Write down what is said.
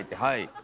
はい。